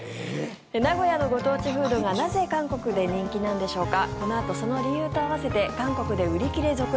名古屋のご当地フードがなぜ韓国で人気なんでしょうか。